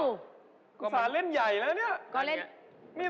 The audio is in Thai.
อุตส่าห์เล่นใหญ่แล้วเนี่ย